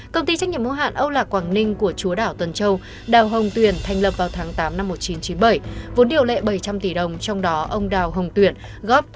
công ty trách nhiệm mô hạn âu lạc quảng ninh của chúa đảo tuần châu đào hồng tuyển thành lập vào tháng tám năm một nghìn chín trăm chín mươi bảy vốn điều lệ bảy trăm linh tỷ đồng trong đó ông đào hồng tuyển góp chín mươi sáu